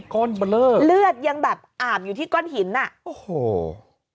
ก้อนเบลอเลือดยังแบบอาบอยู่ที่ก้อนหินอ่ะโอ้โห